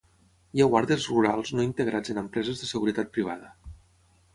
Hi ha guardes rurals no integrats en empreses de seguretat privada.